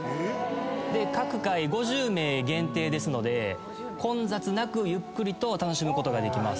各回５０名限定ですので混雑なくゆっくりと楽しむことができます。